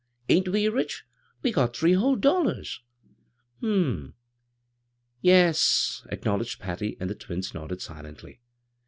Ain't we rich? We've got three whole dollars I " "Hm m, yes," acknowledged Patty; and the twins nodded silently.